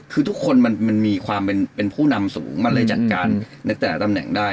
คือทุกคนมันมีความเป็นผู้นำสูงมันเลยจัดการในแต่ละตำแหน่งได้